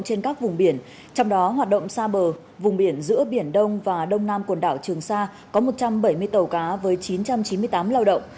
trên các vùng biển trong đó hoạt động xa bờ vùng biển giữa biển đông và đông nam quần đảo trường sa có một trăm bảy mươi tàu cá với chín trăm chín mươi tám lao động